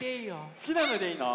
すきなのでいいの？